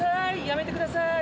やめてください。